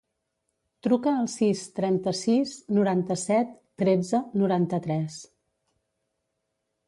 Truca al sis, trenta-sis, noranta-set, tretze, noranta-tres.